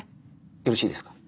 よろしいですか？